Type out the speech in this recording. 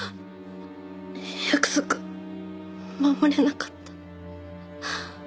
約束守れなかった。